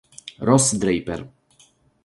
Ross Draper